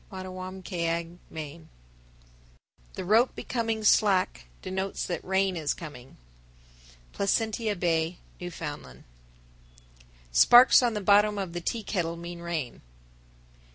Mattawamkeag, Me. 1036. The rope becoming slack denotes that rain is coming. Placentia Bay, N.F. 1037. Sparks on the bottom of the tea kettle mean rain.